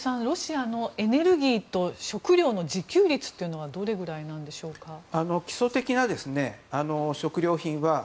ロシアのエネルギーと食料の自給率というのはどれぐらいなんでしょうか。